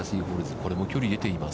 これも距離出ています。